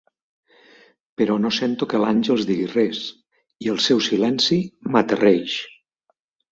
Però no sento que l'Àngels digui res i el seu silenci m'aterreix.